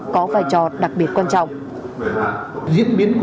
có vai trò đặc biệt quan trọng